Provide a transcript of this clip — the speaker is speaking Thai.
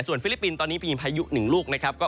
ส่วนฟิลิปปินตอนนี้พีมพายุหนึ่งลูก